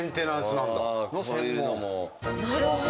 なるほど。